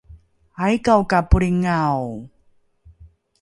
aika’o ka polringao?